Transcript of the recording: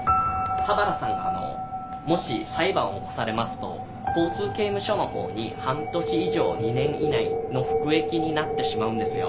ハバラさんがもし裁判を起こされますと交通刑務所の方に半年以上２年以内の服役になってしまうんですよ。